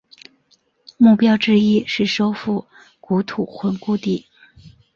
目标之一是收复吐谷浑故地。